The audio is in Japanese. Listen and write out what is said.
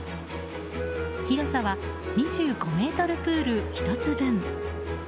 広さは２５ｍプール１つ分。